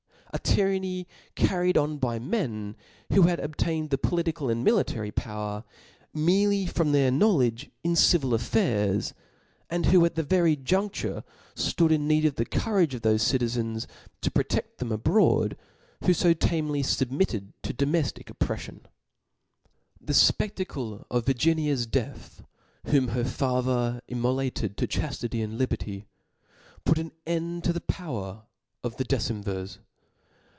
a tyranny carried on by men, who had obtained the political and military power, merely from fheir knowledge O F L A W S. f|i Ia civil affairs ; and who at that very juncture B o o i^ ftood in need of the courage of thofe citizens tOQ^* proteft them abroad, who fo tamely fubmitted tf^ (domeftic opprefliqn. The fpedacle of Virginia's death, whom her father immolated to qhaftity and liberty, put aa end to the power of the decemvirs.